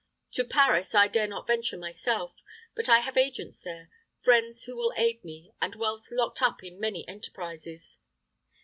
To Paris I dare not venture myself; but I have agents there, friends who will aid me, and wealth locked up in many enterprises.